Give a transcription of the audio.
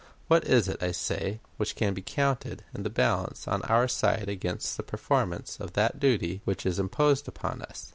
What is it, I say, which can be counted in the balance on our side against the performance of that duty which is imposed upon us?